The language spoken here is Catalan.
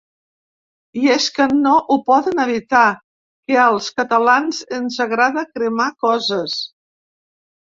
I és que no ho poden evitar… Que als catalans ens agrada cremar coses.